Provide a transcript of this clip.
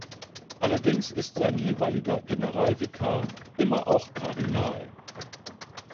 Allerdings ist sein jeweiliger Generalvikar immer auch Kardinal.